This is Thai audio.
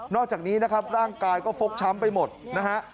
อกจากนี้นะครับร่างกายก็ฟกช้ำไปหมดนะฮะ